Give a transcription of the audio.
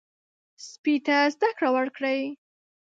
سپي ته زده کړه ورکړئ.